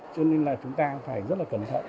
cho nên là chúng ta phải rất là cẩn thận